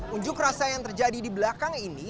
unjuk rasa yang terjadi di belakang ini